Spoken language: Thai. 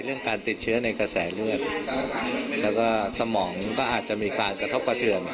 การติดเชื้อในกระแสเลือดแล้วก็สมองก็อาจจะมีการกระทบกระเทือน